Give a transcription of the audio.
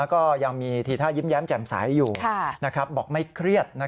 ก็ยังมีทีท่ายิ้มแย้มแจ่มใสอยู่บอกไม่เครียด